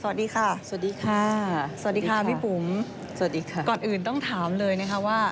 เรียกได้ว่ารู้ก่อนใคร